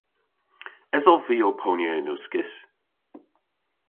Esov vy ow ponya yn uskis?